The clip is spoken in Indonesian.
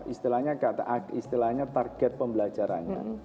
istilahnya target pembelajarannya